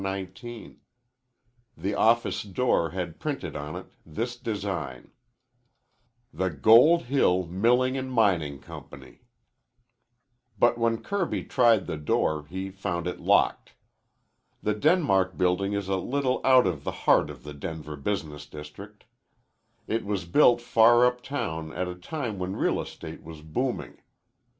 The office door had printed on it this design: THE GOLD HILL MILLING & MINING COMPANY But when Kirby tried the door he found it locked. The Denmark Building is a little out of the heart of the Denver business district. It was built far uptown at a time when real estate was booming.